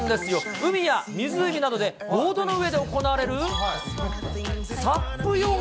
海や湖などでボードの上で行われる、サップヨガ。